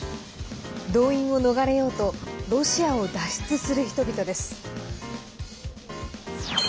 動員を逃れようとロシアを脱出する人々です。